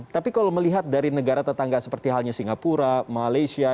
tapi kalau melihat dari negara tetangga seperti halnya singapura malaysia